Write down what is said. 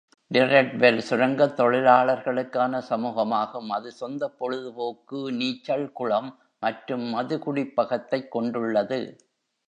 Tredwell சுரங்கத்தொழிலாளர்களுக்கான சமூகமாகும், அது சொந்தப் பொழுதுபோக்கு, நீச்சள் குளம் மற்றும் மதுகுடிப்பகத்தைக் கொண்டுள்ளது.